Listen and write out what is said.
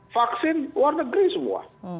vaksin luar negeri semua